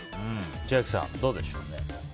千秋さん、どうでしょう？